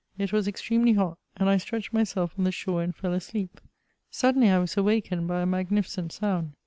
It was extremely hot, and I stretched myself on the shore and fell asleep Suddenly, I was awakened by a magnificent sound.